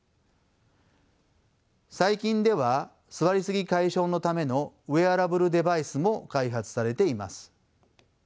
最近では座りすぎ解消のためのウェアラブルデバイスも開発されています。